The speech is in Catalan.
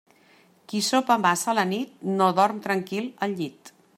Qui sopa massa a la nit, no dorm tranquil al llit.